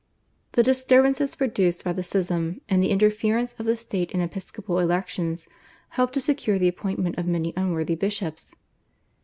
The disturbances produced by the schism, and the interference of the state in episcopal elections helped to secure the appointment of many unworthy bishops.